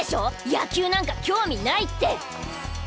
野球なんか興味ないって！